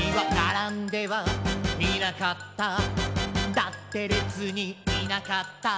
「だってれつにいなかった」